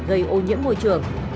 gây ô nhiễm môi trường